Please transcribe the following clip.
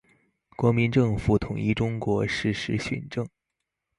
国民政府统一中国，实施训政。